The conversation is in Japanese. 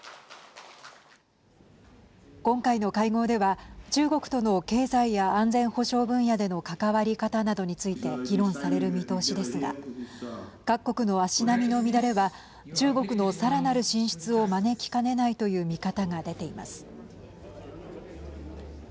今回の会合では中国との経済や安全保障分野での関わり方などについて議論される見通しですが各国の足並みの乱れは中国のさらなる進出を招きかねないという見方が出ています。